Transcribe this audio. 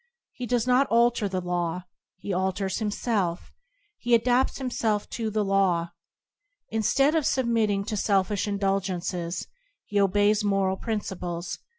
He does not alter the law; he alters himself; he adapts himself to the law. Instead of submitting to selfish indulgences, he obeys moral princi ples.